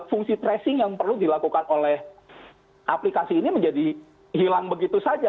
fungsi tracing yang perlu dilakukan oleh aplikasi ini menjadi hilang begitu saja